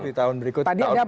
tapi tahun berikutnya